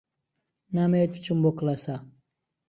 نامەوێت بچم بۆ کڵێسا.